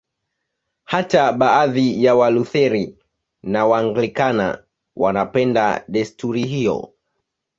Hata baadhi ya Walutheri na Waanglikana wanapenda desturi hiyo.